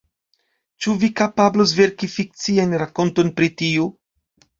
Ĉu vi kapablus verki fikcian rakonton pri tio?